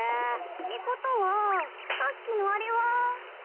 ってことはさっきのあれは。